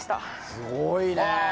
すごいね。